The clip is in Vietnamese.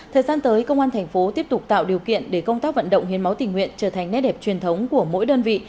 thời gian tới công an thành phố tiếp tục tạo điều kiện để công tác vận động hiến máu tình nguyện trở thành nét đẹp truyền thống của mỗi đơn vị